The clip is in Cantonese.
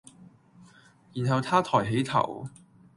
然後他抬起頭，